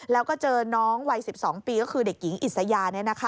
แล้วก็เจอน้องวัย๑๒ปีก็คือเด็กหญิงอิสยา